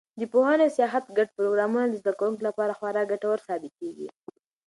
د پوهنې او سیاحت ګډ پروګرامونه د زده کوونکو لپاره خورا ګټور ثابتېږي.